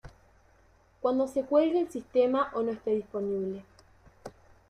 Cuando se cuelgue el sistema o no este disponible.